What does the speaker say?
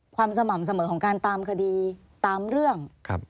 สม่ำเสมอของการตามคดีตามเรื่อง